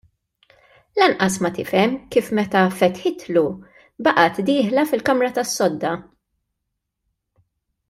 Lanqas ma tifhem kif meta fetħitlu baqgħet dieħla fil-kamra tas-sodda.